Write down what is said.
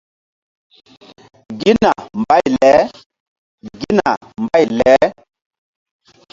Gina mbay leGina mbay le.